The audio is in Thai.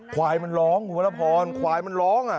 ควายมันร้องคุณวรพรควายมันร้องอ่ะ